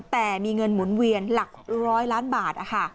แต่มีเงินหมุนเวียนหลัก๑๐๐ล้านบาท